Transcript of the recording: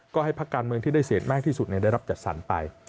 ก็ให้พักการเมืองที่ได้เสียงมากที่สุดได้รับจัดสรรไป